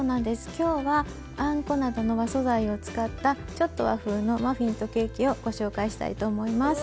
今日はあんこなどの和素材を使ったちょっと和風のマフィンとケーキをご紹介したいと思います。